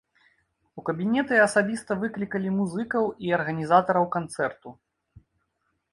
У кабінеты асабіста выклікалі музыкаў і арганізатараў канцэрту.